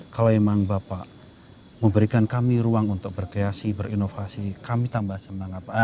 kalau memang bapak memberikan kami ruang untuk berkreasi berinovasi kami tambah senang